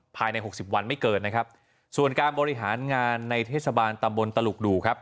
หกสิบวันไม่เกินนะครับส่วนการบริหารงานในเทศบาลตำบลตลุกดูครับ